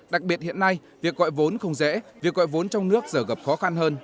đặc biệt hiện nay việc gọi vốn không dễ việc gọi vốn trong nước giờ gặp khó khăn hơn